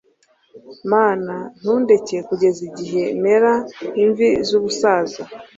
mana, ntundeke kugeza igihe mera imvi z'ubusaza